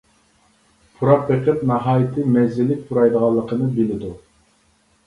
پۇراپ بېقىپ ناھايىتى مەززىلىك پۇرايدىغانلىقىنى بىلىدۇ.